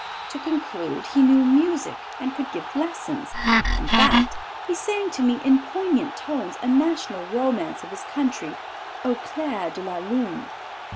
To conclude, he knew music and could give lessons. In fact, he sang to me, in poignant tones, a national romance of his country, Au clair de la lune....